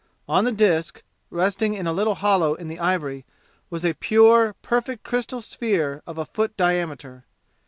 On the disk resting in a little hollow in the ivory, was a pure, perfect crystal sphere of a foot diameter.